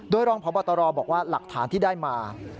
โดยรองพบตรบอกว่าหลักฐานที่ได้มา